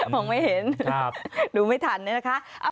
มองไม่เห็นดูไม่ทันนะครับอันนี้นะครับ